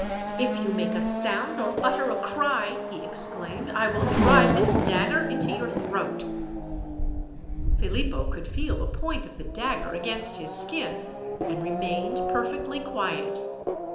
"If you make a sound, or utter a cry," he exclaimed, "I will drive this dagger into your throat." Philippo could feel the point of the dagger against his skin, and remained perfectly quiet.